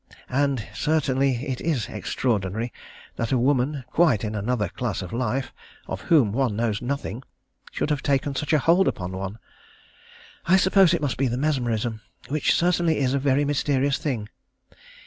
And certainly it is extraordinary that a woman quite in another class of life, of whom one knows nothing, should have taken such a hold upon one. I suppose it must be the mesmerism, which certainly is a very mysterious thing.